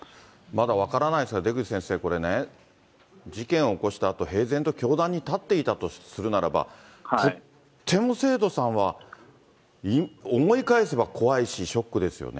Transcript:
まだ分からないですが、出口先生、これね、事件を起こしたあと、平然と教壇に立っていたとするならば、とっても生徒さんは、思い返せば怖いし、ショックですよね。